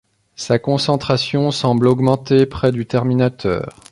Sa concentration semble augmenter près du terminateur.